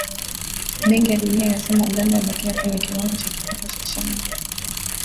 Benki ya Dunia yasema Uganda yabakia kwenye kiwango cha kipato cha chini